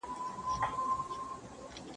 ښوونکي لارښوونه کړې ده او تدريس اغېزمن سوی دی.